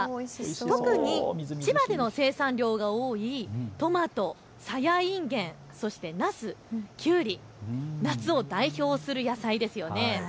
特に千葉での生産量が多いトマト、さやいんげん、そしてなす、きゅうり、夏を代表する野菜ですよね。